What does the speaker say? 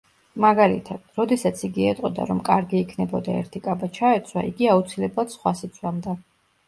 მაგალითად: როდესაც იგი ეტყოდა, რომ კარგი იქნებოდა ერთი კაბა ჩაეცვა, იგი აუცილებლად სხვას იცვამდა.